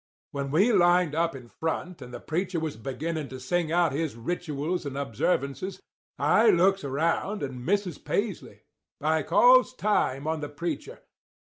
"When we lined up in front and the preacher was beginning to sing out his rituals and observances, I looks around and misses Paisley. I calls time on the preacher.